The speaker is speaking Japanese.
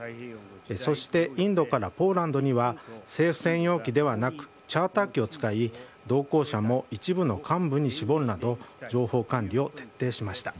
そしてインドからポーランドには政府専用機ではなくチャーター機を使い同行者も一部の幹部に絞るなど情報管理を徹底しました。